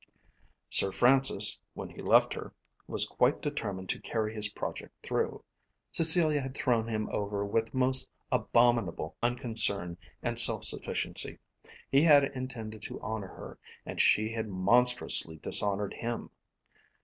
Sir Francis, when he left her, was quite determined to carry his project through. Cecilia had thrown him over with most abominable unconcern and self sufficiency. He had intended to honour her and she had monstrously dishonoured him.